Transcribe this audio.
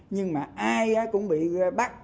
nhưng mà ai cũng bị bắt